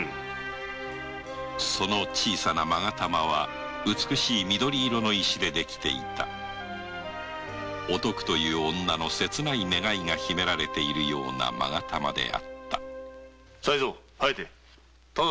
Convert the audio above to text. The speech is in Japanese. その小さな勾玉は美しい緑色の石でできていたおとくの切なる願いが秘められているような勾玉であった才三疾風！